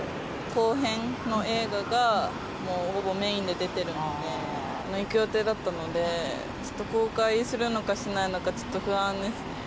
後編の映画がもうほぼメインで出てるので、行く予定だったので、ちょっと公開するのかしないのかちょっと不安ですね。